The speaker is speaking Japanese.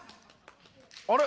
あれ？